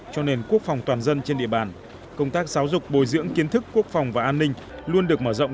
cho nền quốc phòng toàn dân trên địa bàn công tác giáo dục bồi dưỡng kiến thức quốc phòng và an ninh luôn được mở rộng